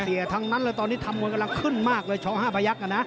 เสียทั้งนั้นเลยตอนนี้ธรรมวลกำลังขึ้นมากเลยช้อห้าประยักษณ์อ่ะนะ